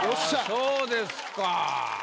そうですか。